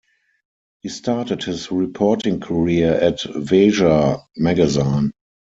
He started his reporting career at "Veja" magazine.